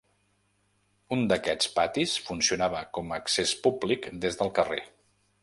Un d'aquests patis funcionava com accés públic des del carrer.